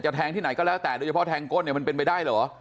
แทงที่ไหนก็แล้วแต่โดยเฉพาะแทงก้นเนี่ยมันเป็นไปได้เหรอ